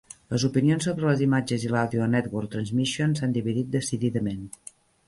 Les opinions sobre les imatges i l'àudio a Network Transmission s'han dividit decididament.